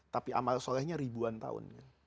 tapi amal solehnya ribuan tahun